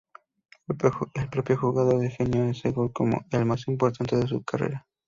El propio jugador definió ese gol como "el más importante de su carrera".